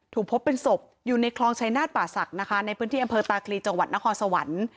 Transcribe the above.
พบเป็นศพอยู่ในคลองชายนาฏป่าศักดิ์นะคะในพื้นที่อำเภอตาคลีจังหวัดนครสวรรค์